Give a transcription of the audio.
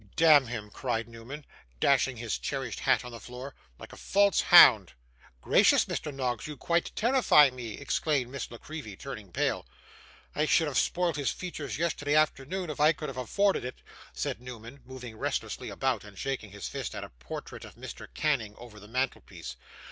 'Damn him!' cried Newman, dashing his cherished hat on the floor; 'like a false hound.' 'Gracious, Mr. Noggs, you quite terrify me!' exclaimed Miss La Creevy, turning pale. 'I should have spoilt his features yesterday afternoon if I could have afforded it,' said Newman, moving restlessly about, and shaking his fist at a portrait of Mr. Canning over the mantelpiece.